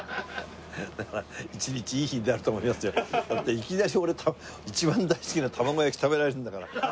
いきなり俺一番大好きな卵焼き食べられるんだから。